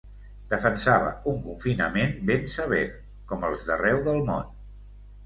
Defensava un confinament ben sever, com els d’arreu del món.